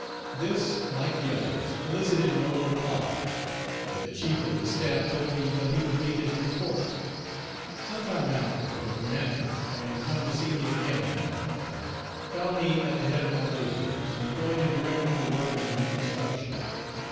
This, like the others, elicited no reply. But the chief of the staff told me that he would make his report. Some time after, the commander, having come to see me again, one afternoon, found me at the head of my laborers, employed in directing the work of reconstruction.